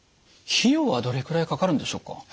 費用はどれくらいかかるんでしょうか？